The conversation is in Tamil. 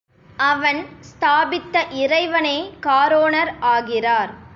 அவன் ஸ்தாபித்த இறைவனே காரோணர் ஆகிறார்.